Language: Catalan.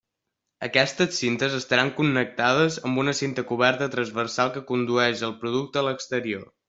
Aquestes cintes estaran connectades amb una cinta coberta transversal que condueix el producte a l'exterior.